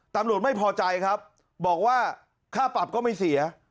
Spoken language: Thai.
ตำรวจไม่พอใจครับบอกว่าค่าปรับก็ไม่เสีย